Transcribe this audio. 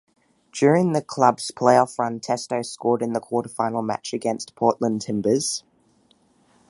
During the club's playoff run Testo scored in the quarterfinal match against Portland Timbers.